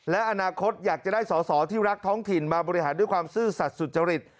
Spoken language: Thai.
และอนาคตอยากจะได้สอสอที่รักท้องถิ่นมาบริหารด้วยความซื่อสัตว์สุจริต